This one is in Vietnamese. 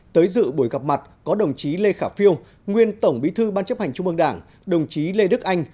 tới dự buổi gặp mặt có đồng chí lê khả phiêu nguyên tổng bí thư ban chấp hành trung ương đảng đồng chí lê đức anh